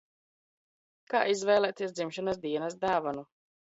Kā izvēlēties dzimšanas dienas dāvanu?